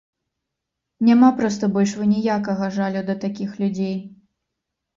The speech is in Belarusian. Няма проста больш во ніякага жалю да такіх людзей.